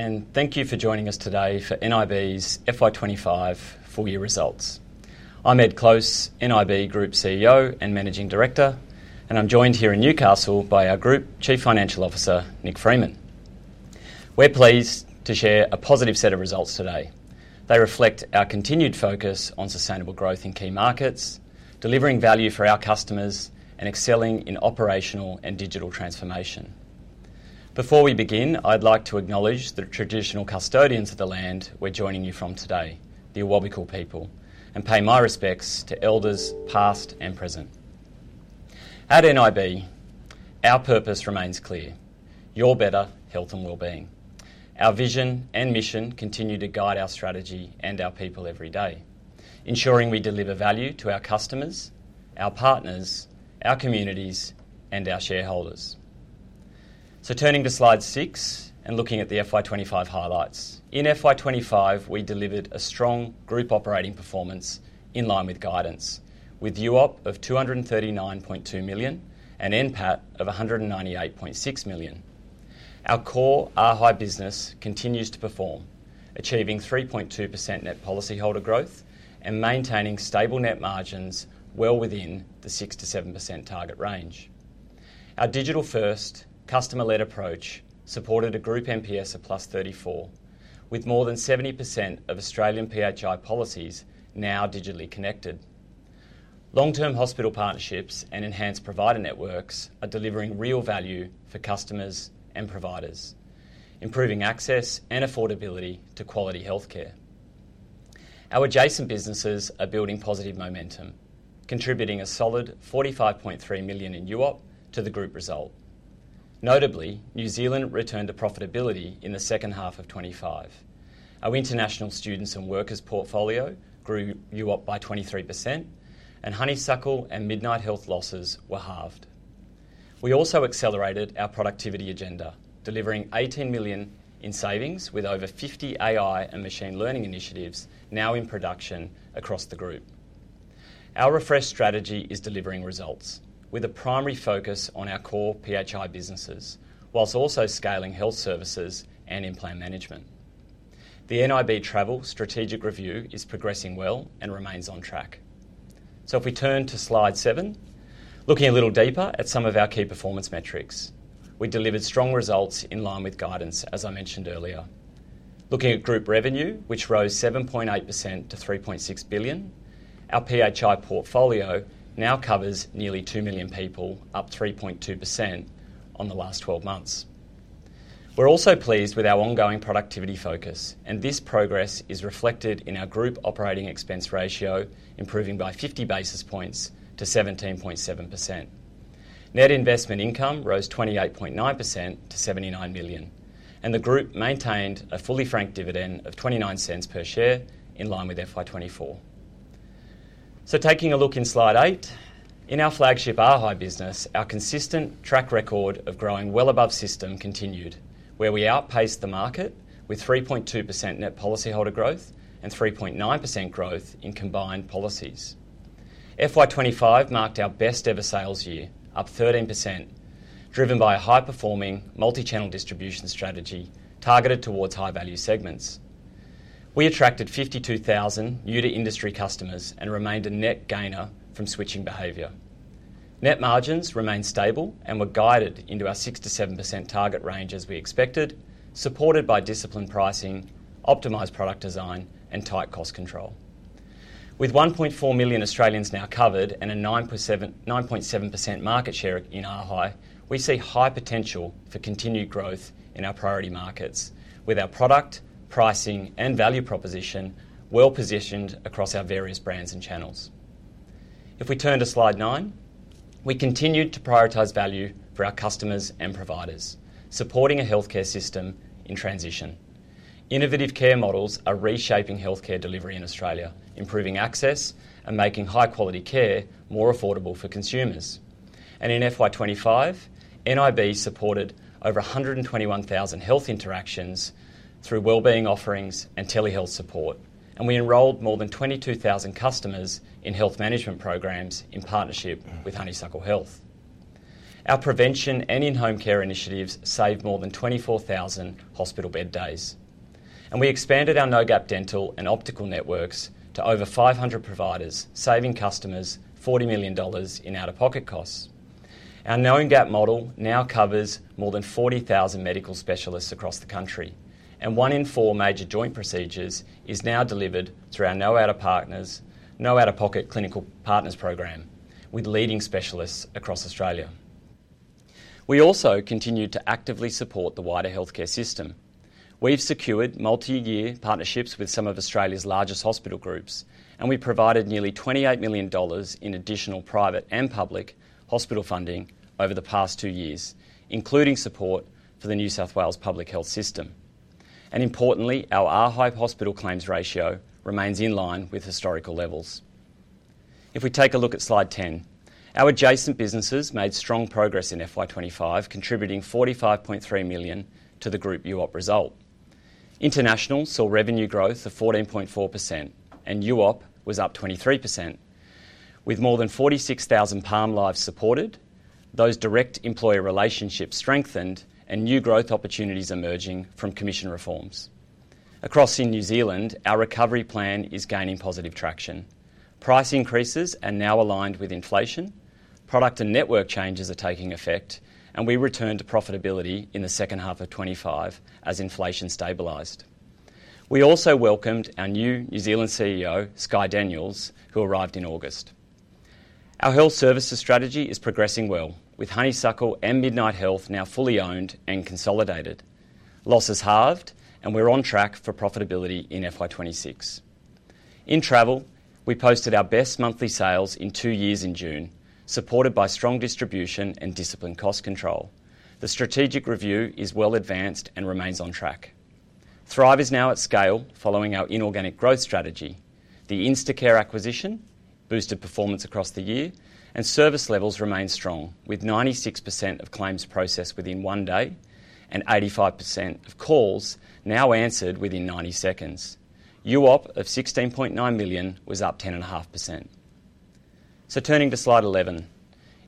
Good evening and thank you for joining us today for Nib's FY 205 Full Year Results. I'm Ed Close, Nib Group CEO and Managing Director, and I'm joined here in Newcastle by our Group Chief Financial Officer, Nick Freeman. We're pleased to share a positive set of results today. They reflect our continued focus on sustainable growth in key markets, delivering value for our customers, and excelling in operational and digital transformation. Before we begin, I'd like to acknowledge the traditional custodians of the land we're joining you from today, the Awabakal people, and pay my respects to elders past and present at Nib. Our purpose remains clear: your better health and wellbeing. Our vision and mission continue to guide our strategy and our people every day, ensuring we deliver value to our customers, our partners, our communities, and our shareholders. Turning to slide 6 and looking at the FY 2025 highlights, in FY 2025 we delivered a strong group operating performance in line with guidance with UOP of $239.2 million and NPAT of $198.6 million. Our core ARHI business continues to perform, achieving 3.2% net policyholder growth and maintaining stable net margins well within the 6% to 7% target range. Our digital-first, customer-led approach supported a group NPS of +34, with more than 70% of Australian PHI policies now digitally connected. Long-term hospital partnerships and enhanced provider networks are delivering real value for customers and providers, improving access and affordability to quality healthcare. Our adjacent businesses are building positive momentum, contributing a solid $45.3 million in UOP to the group result. Notably, New Zealand returned to profitability in second half of 2025. Our international students and workers portfolio grew UOP by 23%, and Honeysuckle and Midnight Health losses were halved. We also accelerated our productivity agenda, delivering $18 million in savings. With over 50 AI and machine learning initiatives now in production across the group, our refreshed strategy is delivering results with a primary focus on our core PHI businesses whilst also scaling health services and inplan management. The Nib Travel strategic review is progressing well and remains on track. Turning to slide seven, looking a little deeper at some of our key performance metrics, we delivered strong results in line with guidance. As I mentioned earlier, looking at group revenue, which rose 7.8% to $3.6 billion. Our PHI portfolio now covers nearly 2 million people, up 3.2% on the last 12 months. We're also pleased with our ongoing productivity focus, and this progress is reflected in our group operating expense ratio improving by 50 basis points to 17.7%. Net investment income rose 28.9% to $79 million, and the group maintained a fully franked dividend of $0.29 per share in line with FY 2024. Taking a look in slide eight, in our flagship ARHI business, our consistent track record of growing well above system continued, where we outpaced the market with 3.2% net policyholder growth and 3.9% growth in combined policies. FY 2025 marked our best-ever sales year, up 13%, driven by a high-performing multi-channel distribution strategy targeted towards high-value segments. We attracted 52,000 new to industry customers and remained a net gainer from switching behavior. Net margins remained stable and were guided into our 6%-7% target range as we expected, supported by disciplined pricing, optimized product design, and tight cost control. With 1.4 million Australians now covered and a 9.7% market share in ARHI, we see high potential for continued growth in our priority markets, with our product pricing and value proposition well-positioned across our various brands and channels. If we turn to slide nine, we continued to prioritize value for our customers and providers, supporting a healthcare system in transition. Innovative care models are reshaping healthcare delivery in Australia, improving access and making high-quality care more affordable for consumers. In FY 2025, Nib supported over 121,000 health interactions through wellbeing offerings and telehealth support, and we enrolled more than 22,000 customers in health management programs in partnership with Honeysuckle Health. Our prevention and in-home care initiatives saved more than 24,000 hospital bed days, and we expanded our no gap dental and optical networks to over 500 providers, saving customers $40 million in out of pocket costs. Our no gap model now covers more than 40,000 medical specialists across the country, and one in four major joint procedures is now delivered through our no out of pocket clinical partners program with leading specialists across Australia. We also continue to actively support the wider healthcare system. We've secured multi-year partnerships with some of Australia's largest hospital groups, and we provided nearly $28 million in additional private and public hospital funding over the past two years, including support for the New South Wales public health system. Importantly, our ARHI hospital claims ratio remains in line with historical levels. If we take a look at slide 10, our adjacent businesses made strong progress in FY 2025, contributing $45.3 million to the group UOP. International saw revenue growth of 14.4%, and UOP was up 23%, with more than 46,000 palm lives supported, those direct employee relationships strengthened, and new growth opportunities emerging from commission reforms. In New Zealand, our recovery plan is gaining positive traction. Price increases are now aligned with inflation, product and network changes are taking effect, and we returned to profitability in second half of 2025 as inflation stabilized. We also welcomed our new New Zealand CEO, Skye Daniels, who arrived in August. Our health services strategy is progressing well, with Honeysuckle Health and Midnight Health now fully owned and consolidated, losses halved, and we're on track for profitability in FY 2026. In travel, we posted our best monthly sales in two years in June, supported by strong distribution and disciplined cost control. The strategic review is well advanced and remains on track. Thrive is now at scale following our inorganic growth strategy. The Instacare acquisition boosted performance across the year, and service levels remain strong, with 96% of claims processed within one day and 85% of calls now answered within 90 seconds. UOP of $16.9 million was up 10.5%. Turning to slide 11,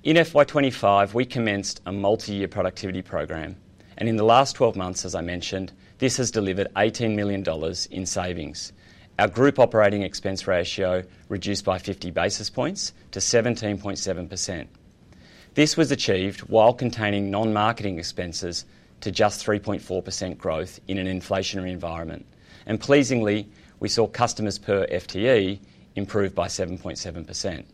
in FY 2025 we commenced a multi-year productivity program, and in the last 12 months, as I mentioned, this has delivered $18 million in savings. Our group operating expense ratio reduced by 50 basis points to 17.7%. This was achieved while containing non-marketing expenses to just 3.4% growth in an inflationary environment, and pleasingly, we saw customers per FTE improve by 7.7%.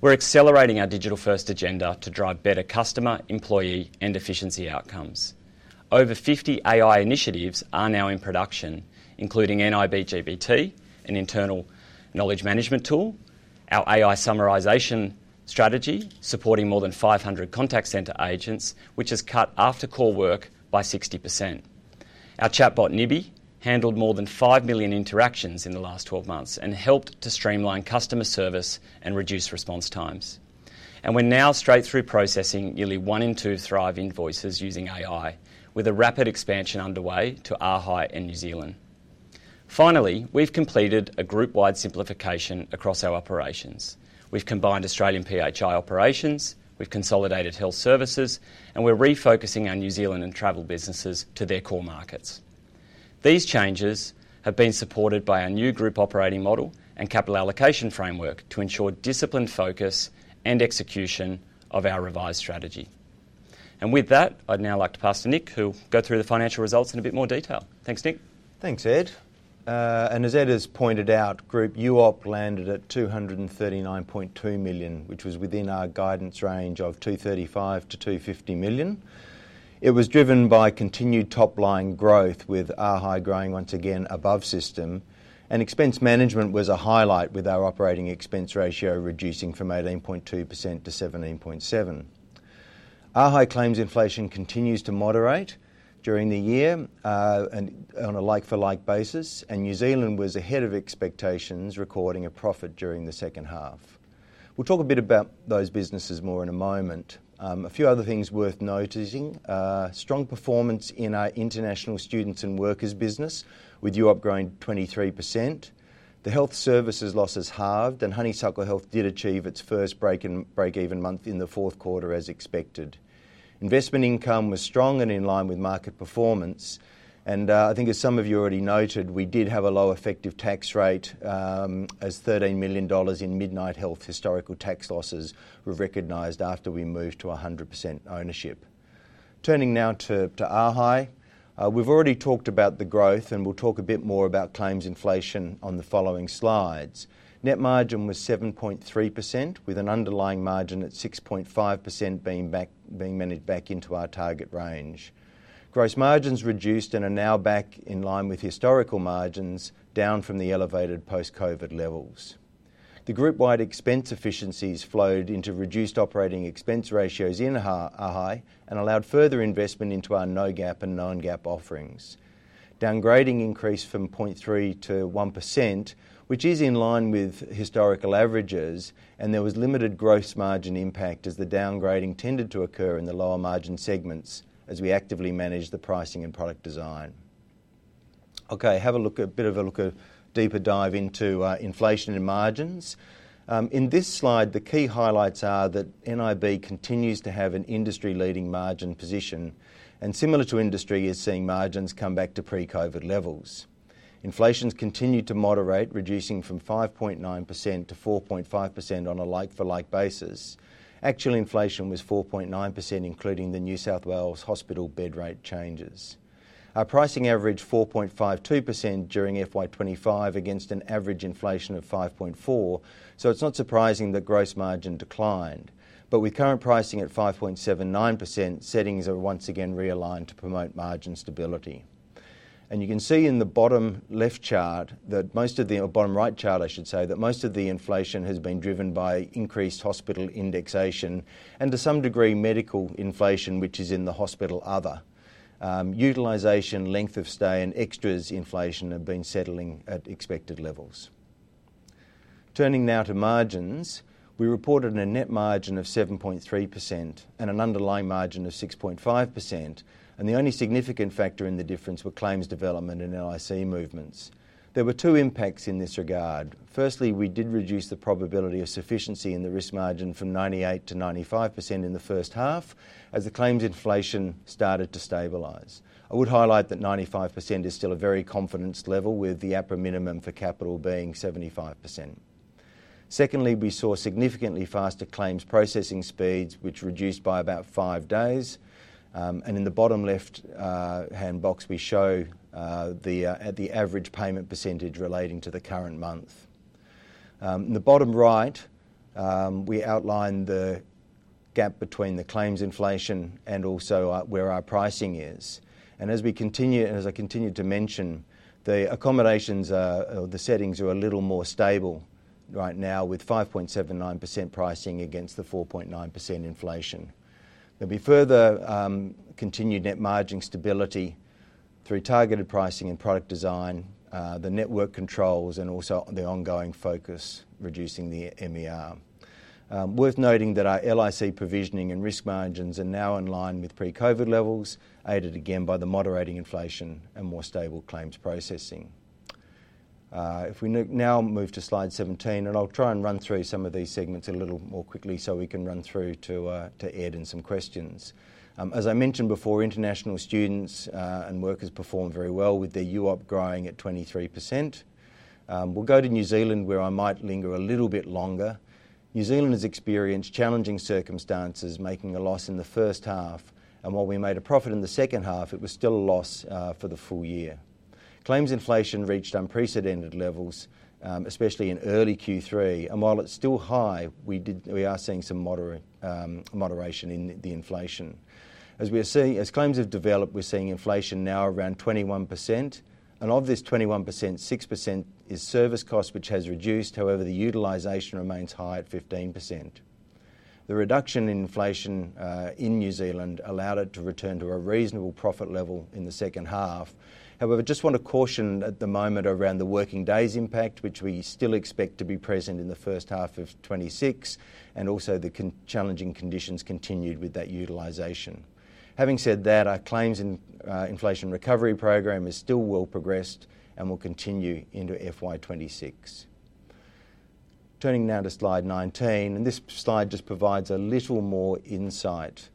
We're accelerating our digital-first agenda to drive better customer, employee, and efficiency outcomes. Over 50 AI and machine learning initiatives are now in production, including NIBGBT, an internal knowledge management tool. Our AI summarization strategy is supporting more than 500 contact center agents, which has cut after-call work by 60%. Our chatbot Nibby handled more than 5 million interactions in the last 12 months and helped to streamline customer service and reduce response times. We're now straight through processing nearly one in two Thrive invoices using AI with a rapid expansion underway to ARHI in New Zealand. Finally, we've completed a group-wide simplification across our operations. We've combined Australian PHI operations, consolidated health services, and we're refocusing our New Zealand and travel businesses to their core markets. These changes have been supported by our new group operating model and capital allocation framework to ensure disciplined focus and execution of our revised strategy. With that, I'd now like to pass to Nick who'll go through the financial results in a bit more detail. Thanks. Thanks, Nick. Thanks Ed. As Ed has pointed out, Group UOP landed at $239.2 million, which was within our guidance range of $235 million-$250 million. It was driven by continued top-line growth with ARHI growing once again above system, and expense management was a highlight with our operating expense ratio reducing from 18.2% to 17.7%. ARHI claims inflation continues to moderate during the year on a like-for-like basis, and New Zealand was ahead of expectations, recording a profit during the second half. We'll talk a bit about those businesses more in a moment. A few other things worth noticing: strong performance in our international students and workers business, with Europe growing 23%. The health services losses halved, and Honeysuckle Health did achieve its first break-even month in the fourth quarter. As expected, investment income was strong and in line with market performance. I think as some of you already noted, we did have a low effective tax rate as $13 million in Midnight Health historical tax losses were recognized after we moved to 100% ownership. Turning now to ARHI, we've already talked about the growth, and we'll talk a bit more about claims inflation on the following slides. Net margin was 7.3% with an underlying margin at 6.5% being managed back into our target range. Gross margins reduced and are now back in line with historical margins, down from the elevated post-COVID levels. The group-wide expense efficiencies flowed into reduced operating expense ratios in ARHI and allowed further investment into our no GAAP and non-GAAP offerings. Downgrading increased from 0.3% to 1%, which is in line with historical averages, and there was limited gross margin impact as the downgrading tended to occur in the lower margin segments as we actively manage the pricing and product design. Have a look, a bit of a deeper dive into inflation and margins in this slide. The key highlights are that Nib holdings continues to have an industry-leading margin position and, similar to industry, is seeing margins come back to pre-COVID levels. Inflation's continued to moderate, reducing from 5.9% to 4.5% on a like-for-like basis. Actual inflation was 4.9% including the New South Wales hospital bed rate changes. Our pricing averaged 4.52% during FY 2025 against an average inflation of 5.4%. It's not surprising that gross margin declined, but with current pricing at 5.79%, settings are once again realigned to promote margin stability. You can see in the bottom left chart that most of the bottom right chart, I should say, that most of the inflation has been driven by increased hospital indexation and to some degree medical inflation, which is in the hospital. Other utilization, length of stay, and extras inflation have been settling at expected levels. Turning now to margins, we reported a net margin of 7.3% and an underlying margin of 6.5%, and the only significant factor in the difference were claims development and LIC movements. There were two impacts in this regard. Firstly, we did reduce the probability of sufficiency in the risk margin from 98% to 95% in the first half as the claims inflation started to stabilize. I would highlight that 95% is still a very high confidence level with the APRA minimum for capital being 75%. Secondly, we saw significantly faster claims processing speeds, which reduced by about five days. In the bottom left-hand box, we show the average payment percentage relating to the current month. In the bottom right, we outline the gap between the claims inflation and also where our pricing is. As we continue, as I continue to mention, the accommodations, the settings are a little more stable right now with 5.79% pricing against the 4.9% inflation. There will be further continued net margin stability through targeted pricing and product design, the network controls, and also the ongoing focus reducing the MER. Worth noting that our LIC provisioning and risk margins are now in line with pre-COVID levels, aided again by the moderating inflation and more stable claims processing. If we now move to slide 17, I'll try and run through some of these segments a little more quickly so we can run through to Ed and some questions. As I mentioned before, international students and workers perform very well with their UOP growing at 23%. We'll go to New Zealand where I might linger a little bit longer. New Zealand has experienced challenging circumstances, making a loss in the first half, and while we made a profit in the second half, it was still a loss for the full year. Claims inflation reached unprecedented levels, especially in early Q3, and while it's still high, we are seeing some moderation in the inflation as we are seeing as claims have developed. We're seeing inflation now around 21%, and of this 21%, 6% is service cost, which has reduced. However, the utilization remains high at 15%. The reduction in inflation in New Zealand allowed it to return to a reasonable profit level in the second half. However, just want to caution at the moment around the working days impact which we still expect to be present in 1H26 and also the challenging conditions continued with that utilization. Having said that, our claims inflation recovery program is still well progressed and will continue into FY 2026. Turning now to slide 19, and this slide just provides a little more insight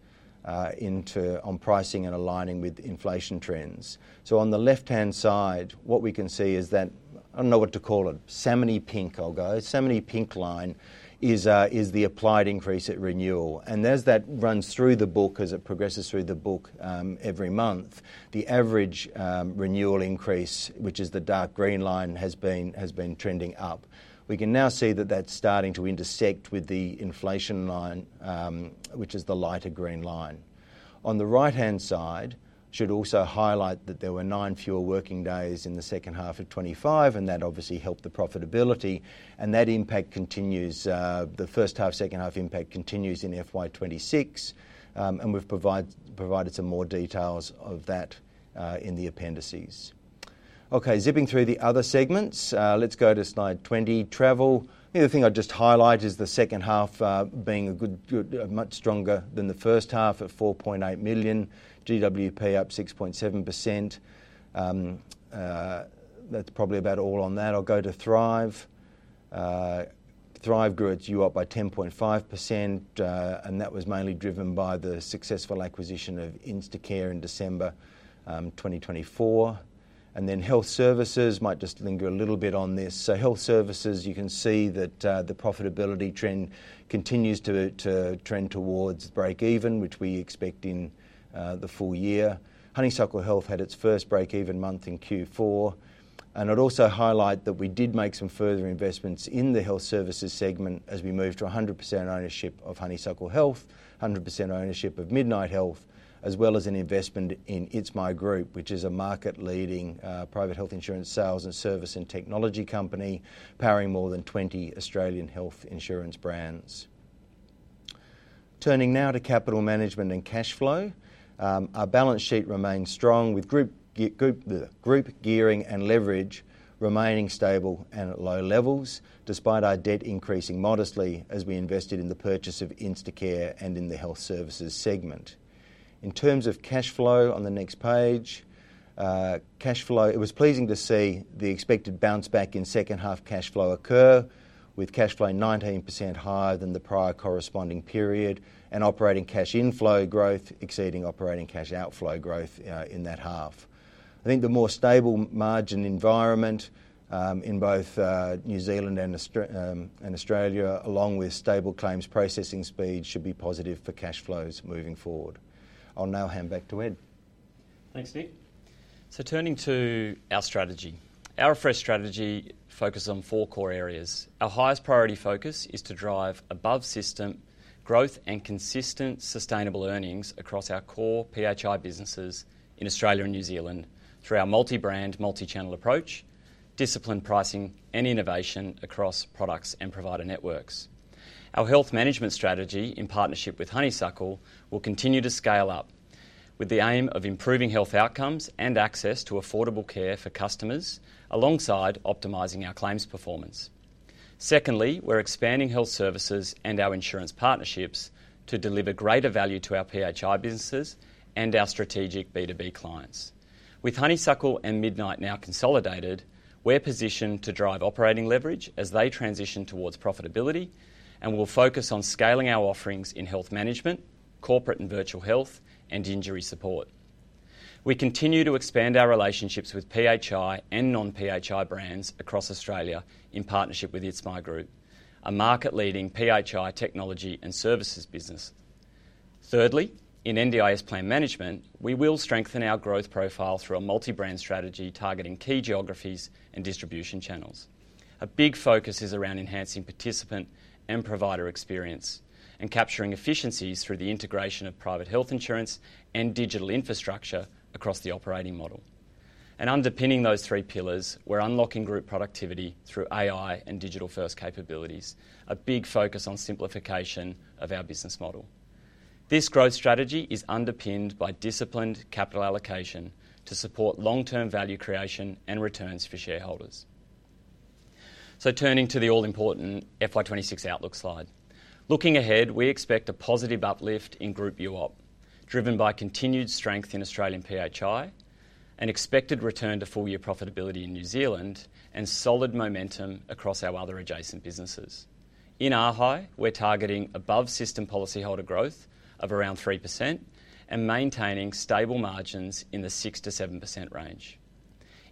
into on pricing and aligning with inflation trends. On the left hand side, what we can see is that, I don't know what to call it, salmony pink. I'll go salmony pink line is the applied increase at renewal and as that runs through the book, as it progresses through the book every month, the average renewal increase, which is the dark green line, has been trending up. We can now see that that's starting to intersect with the inflation line, which is the lighter green line on the right hand side. Should also highlight that there were nine fewer working days in second half of 2025 and that obviously helped the profitability and that impact continues the first half. Second half impact continues in FY 2026 and we've provided some more details of that in the appendices. Okay, zipping through the other segments, let's go to slide 20 Travel. The thing I just highlight is the second half being a good much stronger than the first half of $4.8 million GWP, up 6.7%. That's probably about all on that. I'll go to Thrive. Thrive grew at UOP up by 10.5% and that was mainly driven by the successful acquisition of Instacare in December 2024. Health services, might just linger a little bit on this. So health services, you can see that the profitability trend continues to trend towards break even, which we expect in the full year. Honeysuckle Health had its first break even month in Q4 and I'd also highlight that we did make some further investments in the health services segment as we moved to 100% ownership of Honeysuckle Health, 100% ownership of Midnight Health, as well as an investment in It's My Group, which is a market leading private health insurance sales and service and technology company powering more than 20 Australian health insurance brands. Turning now to capital management and cash flow, our balance sheet remains strong with group gearing and leverage remaining stable and at low levels despite our debt increasing modestly as we invested in the purchase of Instacare and in the health services segment. In terms of cash flow on the next page, it was pleasing to see the expected bounce back in second half cash flow occurring with cash flow 19% higher than the prior corresponding period and operating cash inflow growth exceeding operating cash outflow growth in that half. I think the more stable margin environment in both New Zealand and Australia along with stable claims processing speed should be positive for cash flows moving forward. I'll now hand back to Ed. Thanks, Nick. Turning to our strategy, our refreshed strategy focuses on four core areas. Our highest priority focus is to drive above system growth and consistent, sustainable earnings across our core PHI businesses in Australia and New Zealand through our multi-brand, multi-channel approach, disciplined pricing, and innovation across products and provider networks. Our health management strategy in partnership with Honeysuckle Health will continue to scale up with the aim of improving health outcomes and access to affordable care for customers alongside optimizing our claims performance. Secondly, we're expanding health services and our insurance partnerships to deliver greater value to our PHI businesses and our strategic B2B clients. With Honeysuckle Health and Midnight Health now consolidated, we're positioned to drive operating leverage as they transition towards profitability and will focus on scaling our offerings in health management, corporate and virtual health, and injury support. We continue to expand our relationships with PHI and non-PHI brands across Australia in partnership with Yitzmai Group, a market-leading PHI technology and services business. Thirdly, in NDIS plan management, we will strengthen our growth profile through a multi-brand strategy targeting key geographies and distribution channels. A big focus is around enhancing participant and provider experience and capturing efficiencies through the integration of private health insurance and digital infrastructure across the operating model. Underpinning those three pillars, we're unlocking group productivity through AI and digital-first capabilities with a big focus on simplification of our business model. This growth strategy is underpinned by disciplined capital allocation to support long-term value creation and returns for shareholders. Turning to the all-important FY 2026 outlook slide, looking ahead, we expect a positive uplift in Group UOP driven by continued strength in Australian PHI, an expected return to full-year profitability in New Zealand, and solid momentum across our other adjacent businesses. In ARHI, we're targeting above system policyholder growth of around 3% and maintaining stable margins in the 6%-7% range.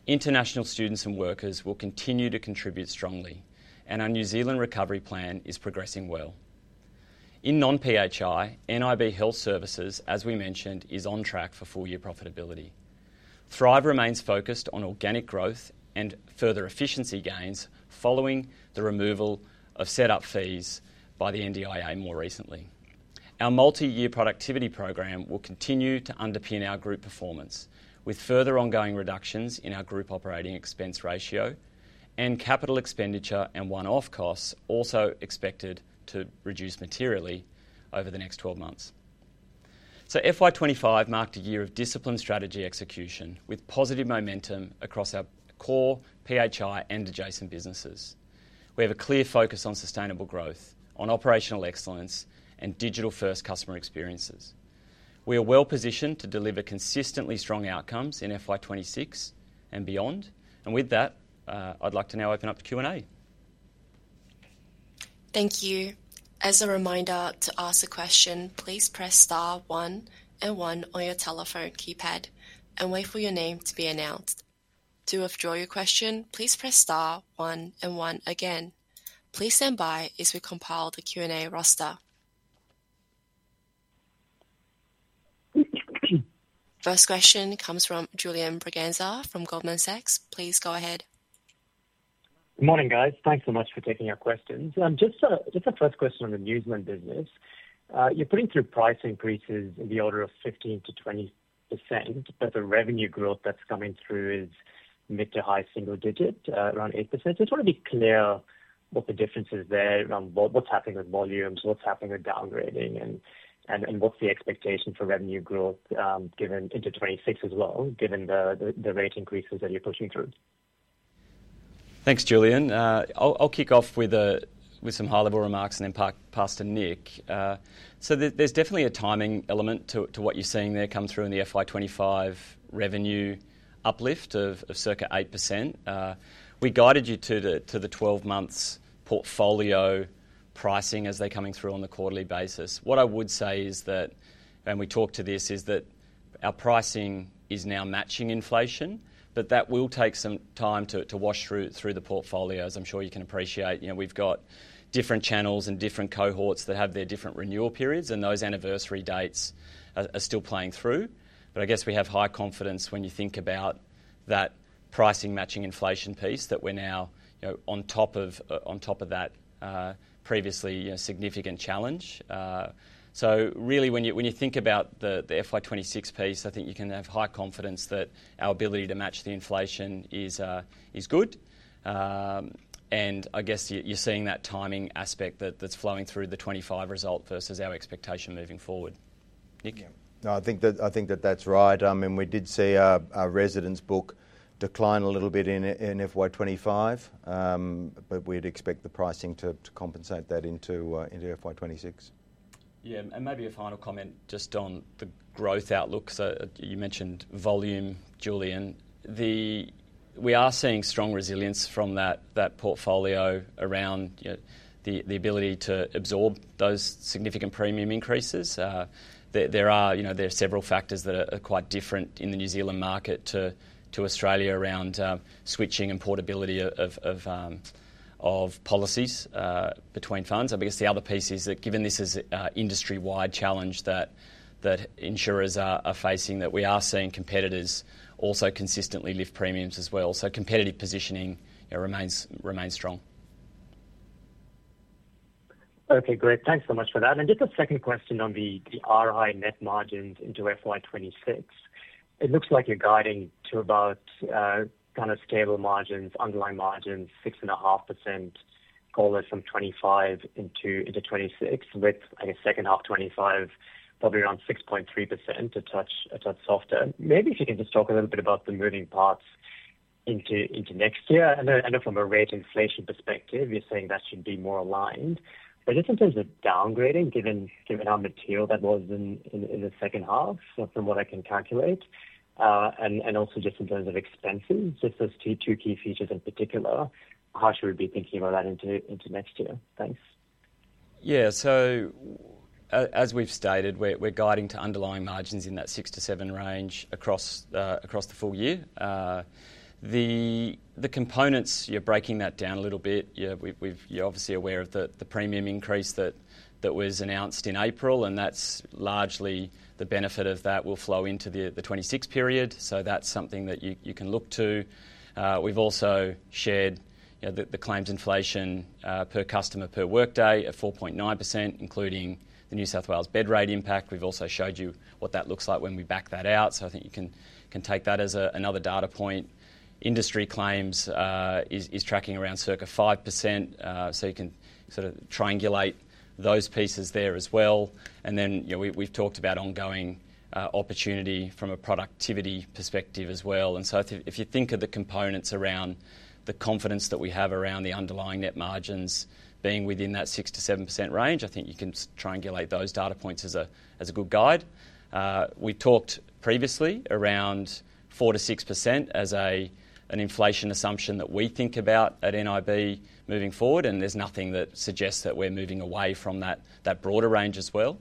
International students and workers will continue to contribute strongly, and our New Zealand recovery plan is progressing well. In non-PHI, Nib health services, as we mentioned, is on track for full-year profitability. Thrive remains focused on organic growth and further efficiency gains following the removal of setup fees by the NDIA. More recently, our multi-year productivity program will continue to underpin our group performance with further ongoing reductions in our group operating expense ratio, and capital expenditure and one-off costs are also expected to reduce materially over the next 12 months. FY 2025 marked a year of disciplined strategy execution with positive momentum across our core PHI and adjacent businesses. We have a clear focus on sustainable growth, operational excellence, and digital-first customer experiences. We are well positioned to deliver consistently strong outcomes in FY 2026 and beyond. I'd like to now open up to Q&A. Thank you. As a reminder to ask a question, please press star one and one on your telephone keypad and wait for your name to be announced. To withdraw your question, please press star one and one again. Please stand by as we compile the Q&A roster. First question comes from Julian Braganza from Goldman Sachs. Please go ahead. Morning guys. Thanks so much for taking our questions. Just a first question on the Nib holdings business. You're putting through price increases in the order of 15%-20%, but the revenue growth that's coming through is mid to high single digit, around 8%. Just want to be clear what the difference is there, what's happening with volumes, what's happening with downgrading, and what's the expectation for revenue growth given 2026 as well, given the rate increases that you're pushing through. Thanks, Julian. I'll kick off with some high level remarks and then pass to Nick. There's definitely a timing element to what you're seeing there come through in the FY 2025 revenue uplift of circa 8%. We guided you to the 12 months portfolio pricing as they're coming through on the quarterly basis. What I would say is that, and we talked to this, is that our pricing is now matching inflation. That will take some time to wash through the portfolio as I'm sure you can appreciate. We've got different channels and different cohorts that have their different renewal periods, and those anniversary dates are still playing through. I guess we have high confidence when you think about that pricing matching inflation piece that we're now on top of that previously significant challenge. When you think about the FY 2026 piece, I think you can have high confidence that our ability to match the inflation is good. I guess you're seeing that timing aspect that's flowing through the 2025 result versus our expectation moving forward. No, I think that that's right. I mean we did see our residents book decline a little bit in FY 2025, but we'd expect the pricing to compensate that into FY 2026. Yeah. Maybe a final comment just on the growth outlook. You mentioned volume, Julian. We are seeing strong resilience from that portfolio around the ability to absorb those significant premium increases. There are several factors that are quite different in the New Zealand market to Australia around switching and portability of policies between funds. I guess the other piece is that given this is an industry-wide challenge that insurers are facing, we are seeing competitors also consistently lift premiums as well. Competitive positioning remains strong. Okay, great. Thanks so much for that. Just a second question. On the ARHI net margins into FY2026, it looks like you're guiding to about kind of stable margins. Underlying margins 6.5%. All this from 2025 into 2026 with second half 2025 probably around 6.3%. A touch softer maybe. If you can just talk a little bit about the moving parts into next year. From a rate inflation perspective, you're saying that should be more aligned. Just in terms of downgrading, given how material that was in the second half, from what I can calculate, and also just in terms of expansion, if those two key features in particular, how should we be thinking about that into next year? Thanks. Yeah. As we've stated, we're guiding to underlying margins in that 6%-7% range across the full year. The components, you're breaking that down a little bit. You're obviously aware of the premium increase that was announced in April, and largely the benefit of that will flow into the 2026 period. That's something that you can look to. We've also shared the claims inflation per customer per workday at 4.9%, including the New South Wales bed rate impact. We've also showed you what that looks like when we back that out. I think you can take that as another data point. Industry claims is tracking around circa 5%, so you can sort of triangulate those pieces there as well. We've talked about ongoing opportunity from a productivity perspective as well. If you think of the components around the confidence that we have around the underlying net margins being within that 6%-7% range, I think you can triangulate those data points as a good guide. We talked previously around 4%-6% as an inflation assumption that we think about at Nib holdings moving forward, and there's nothing that suggests that we're moving away from that broader range as well.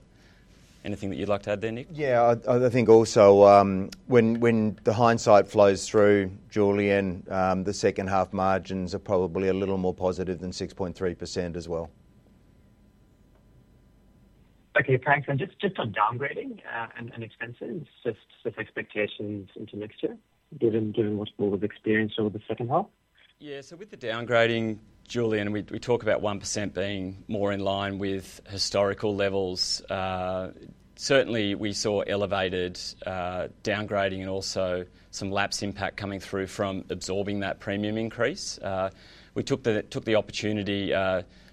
Anything that you'd like to add there, Nick? Yeah, I think also when the hindsight flows through, Julian, the second half margins are probably a little more positive than 6.3% as well. Okay, Thanks. Just on downgrading and expense expectations into mixture given what's more of experience with the second half. Yeah. With the downgrading, Julian, we talk about 1% being more in line with historical levels. Certainly, we saw elevated downgrading and also some lapse impact coming through from absorbing that premium increase. We took the opportunity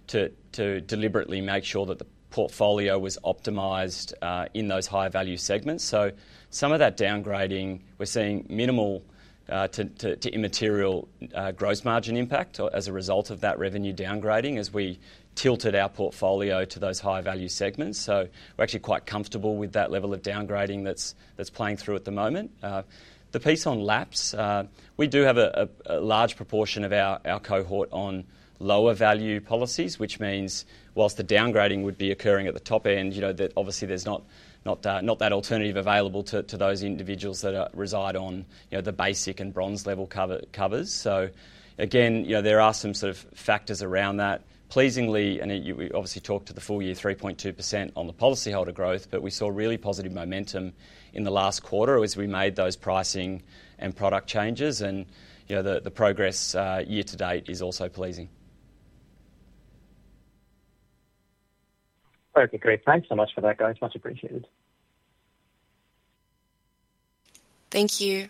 to deliberately make sure that the portfolio was optimized in those high-value segments. Some of that downgrading, we're seeing minimal to immaterial gross margin impact as a result of that revenue downgrading as we tilted our portfolio to those high-value segments. We're actually quite comfortable with that level of downgrading that's playing through at the moment. The piece on lapses, we do have a large proportion of our cohort on lower value policies, which means whilst the downgrading would be occurring at the top end, obviously there's not that alternative available to those individuals that reside on the basic and bronze level covers. There are some sort of factors around that, pleasingly, and we obviously talked to the full year 3.2% on the policyholder growth, but we saw really positive momentum in the last quarter as we made those pricing and product changes, and the progress year to date is also pleasing. Okay, great. Thanks so much for that, guys. Much appreciated. Thank you.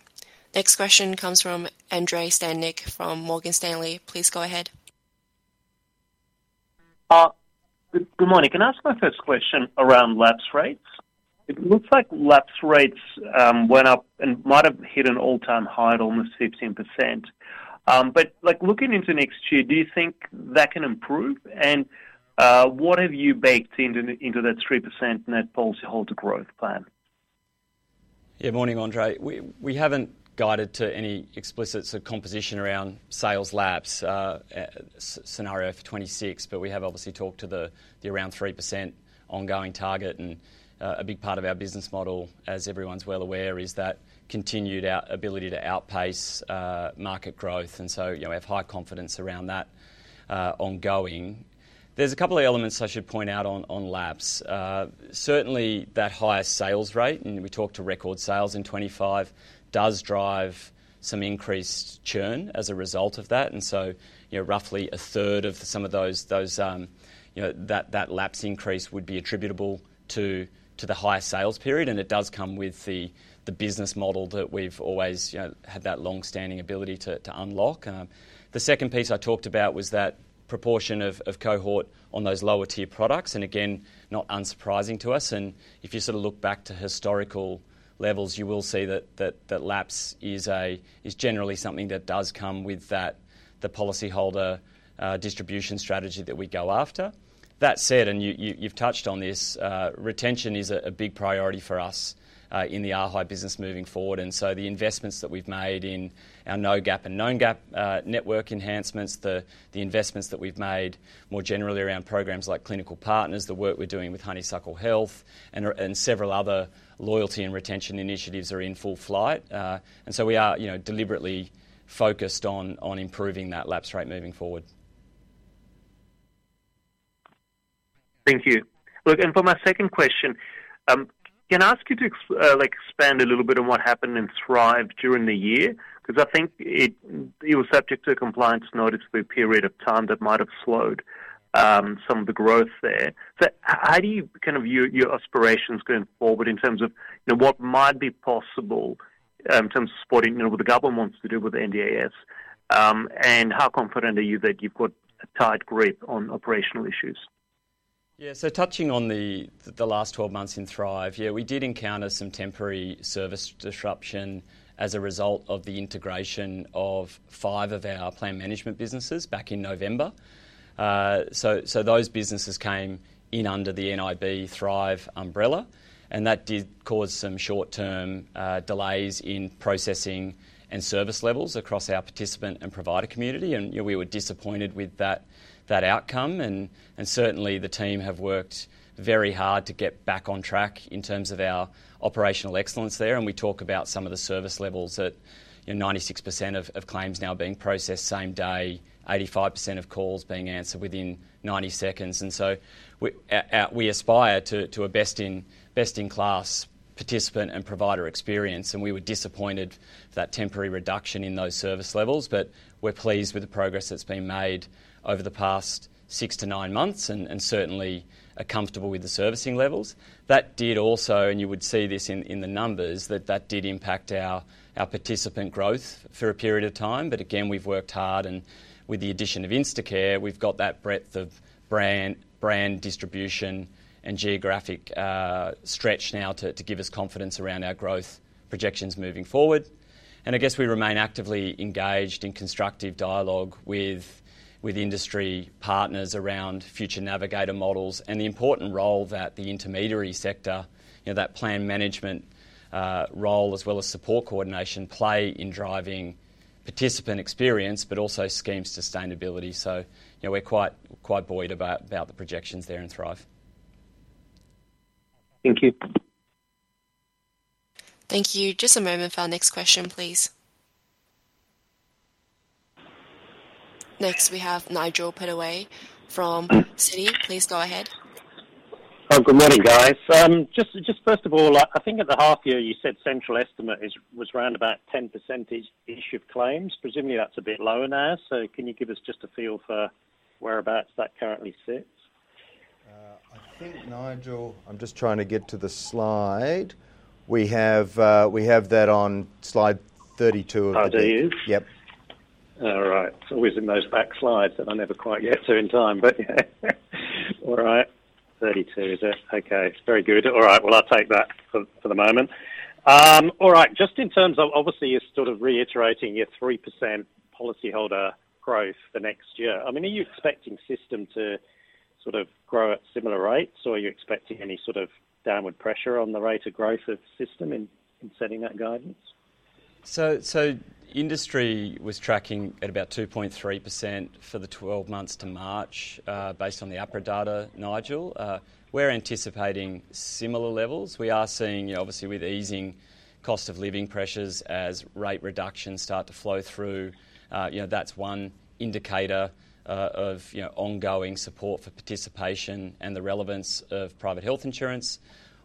Next question comes from Andrei Stadnik from Morgan Stanley. Please go ahead. Good morning. Can I ask my first question around lapse rates? It looks like lapse rates went up and might have hit an all-time high at almost 15%. Looking into next year, do you think that can improve and what have you baked into that 3% net? Policyholder growth plan? Yeah. Morning Andrei. We haven't guided to any explicit composition around sales lapse scenario for 2026, but we have obviously talked to the around 3% ongoing target. A big part of our business model, as everyone's well aware, is that continued ability to outpace market growth. We have high confidence around that ongoing. There are a couple of elements I should point out on lapse. Certainly that higher sales rate, and we talked to record sales in 2025, does drive some increased churn as a result of that. Roughly a third of some of those that lapse increase would be attributable to the high sales period. It does come with the business model that we've always had, that long standing ability to unlock. The second piece I talked about was that proportion of cohort on those lower tier products. Again, not unsurprising to us. If you sort of look back to historical levels, you will see that lapse is generally something that does come with the policyholder distribution strategy that we go after. That said, you've touched on this. Retention is a big priority for us in the ARHI business moving forward. The investments that we've made in our no GAAP and known GAAP network enhancements, the investments that we've made more generally around programs like Clinical Partners, the work we're doing with Honeysuckle Health, and several other loyalty and retention initiatives are in full flight. We are deliberately focused on improving that lapse rate moving forward. Thank you. For my second question, can I ask you to expand a little bit on what happened in Thrive during the year? I think you were subject to a compliance notice for a period of time that might have slowed some of the growth there. How do you kind of view your aspirations going forward in terms of what might be possible in terms of supporting what the government wants to do with NDIS? How confident are you that you've got a tight grip on operational issues? Yeah, so touching on the last 12 months in Thrive. We did encounter some temporary service disruption as a result of the integration of 5 of our plan management businesses back in November. Those businesses came in under the Nib Thrive umbrella and that did cause some short-term delays in processing and service levels across our participant and provider community. We were disappointed with that outcome and certainly the team have worked very hard to get back on track in terms of our operational excellence there. We talk about some of the service levels, that 96% of claims now being processed same day, 85% of calls being answered within 90 seconds. We aspire to a best-in-class participant and provider experience and we were disappointed for that temporary reduction in those service levels. We're pleased with the progress that's been made over the past six to nine months and certainly are comfortable with the servicing levels that did also. You would see this in the numbers, that did impact our participant growth for a period of time. Again we've worked hard and with the addition of Instacare, we've got that breadth of brand distribution and geographic stretch now to give us confidence around our growth projections moving forward. We remain actively engaged in constructive dialogue with industry partners around future navigator models and the important role that the intermediary sector, that plan management role as well as support coordination play in driving participant experience, but also scheme sustainability. We're quite buoyed about the projections there in Thrive. Thank you. Thank you. Just a moment for our next question, please. Next we have Nigel Pittaway from Citi. Please go ahead. Good morning, guys. Just first of all, I think at the half year you said central estimate was around about 10% issue of claims. Presumably that's a bit lower now. Can you give us just a feel for whereabouts that currently sits? I think, Nigel, I'm just trying to get to the slide. We have that on slide 32. All right. It's always in those back slides that I never quite get to in time. All right, 32 is it? Okay, very good. I'll take that for the moment. Just in terms of obviously you're sort of reiterating your 3% policyholder growth for next year. I mean, are you expecting system to sort of grow at similar rates or are you expecting any sort of downward pressure on the rate of growth of system in setting that guidance? Industry was tracking at about 2.3% for the 12 months to March based on the APRA data. Nigel, we're anticipating similar levels. We are seeing obviously with easing cost of living pressures as rate reductions start to flow through. That's one indicator of ongoing support for participation and the relevance of private health insurance.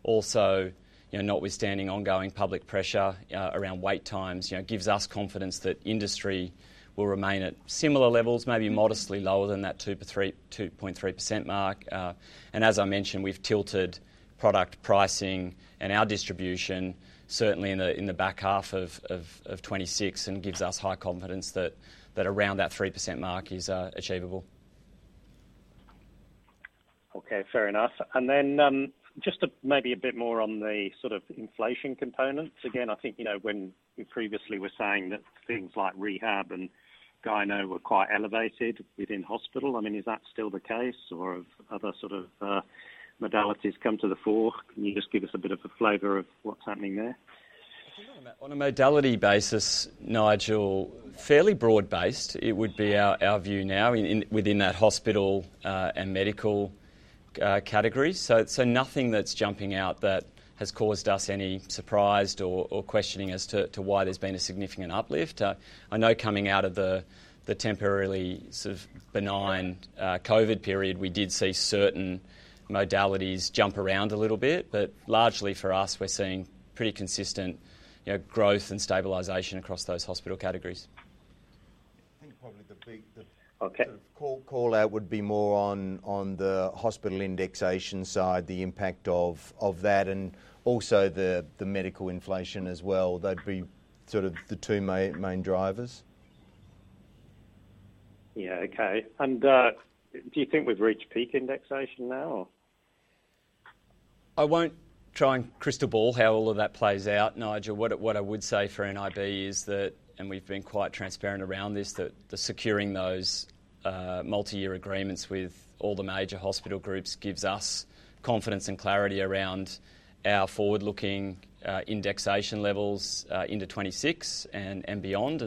Also, notwithstanding ongoing public pressure around wait times gives us confidence that industry will remain at similar levels, maybe modestly lower than that 2.3% mark. As I mentioned, we've tilted product pricing and our distribution certainly in the back half of 2026 and gives us high confidence that around that 3% mark is achievable. Okay, fair enough. Maybe a bit more on the sort of inflation components. I think when we previously were saying that things like rehab and gyno were quite elevated within hospital, is that still the case or have other sort of modalities come to the fore? Can you just give us a bit of a flavor of what's happening there. On a modality basis, Nigel, fairly broad-based, it would be our view now within that hospital and medical category. Nothing that's jumping out that has caused us any surprise or questioning as to why there's been a significant uplift. I know coming out of the temporarily sort of benign Covid period, we did see certain modalities jump around a little bit. Largely for us, we're seeing pretty consistent growth and stabilization across those hospital categories. The big call out would be more on the hospital indexation side. The impact of that and also the medical inflation as well would be the two main drivers. Okay. Do you think we've reached peak indexation now? I won't try and crystal ball how all of that plays out. Nigel, what I would say for Nib holdings is that we've been quite transparent around this, that securing those multi-year agreements with all the major hospital groups gives us confidence and clarity around our forward-looking indexation levels into 2026 and beyond.